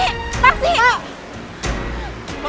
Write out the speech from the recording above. ini paksa gue gara gara lo keluar